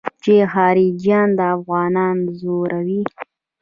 چې خارجيان افغانان ځوروي.